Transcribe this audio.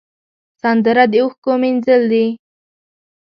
سندره د اوښکو مینځل دي